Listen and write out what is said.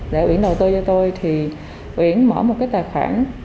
để uyển đầu tư cho tôi thì uyển mở một cái tài khoản